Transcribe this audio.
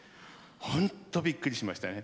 本当びっくりしましたね。